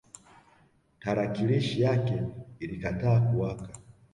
Tarakilishi yake ilikataa kuwaka